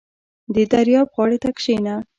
• د دریاب غاړې ته کښېنه.